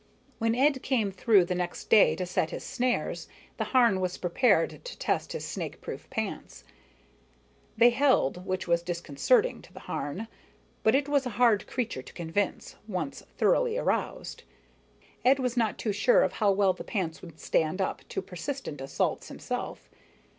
When Ed came through the next day to set his snares, the Harn was prepared to test his snakeproof pants. They held, which was disconcerting to the Harn, but it was a hard creature to convince, once thoroughly aroused. Ed was not too sure of how well the pants would stand up to persistent assault himself.